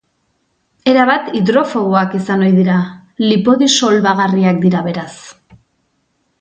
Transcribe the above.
Erabat hidrofoboak izan ohi dira, lipodisolbagarriak dira beraz.